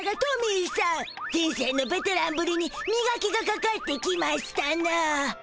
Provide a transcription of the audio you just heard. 人生のベテランぶりにみがきがかかってきましたな。